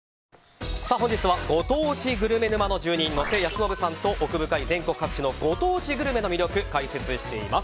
本日はご当地グルメ沼の住人野瀬泰申さんと奥深い全国各地のご当地グルメの魅力解説しています。